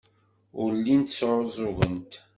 Ur llint sɛuẓẓugent.